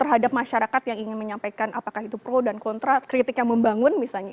terhadap masyarakat yang ingin menyampaikan apakah itu pro dan kontra kritik yang membangun misalnya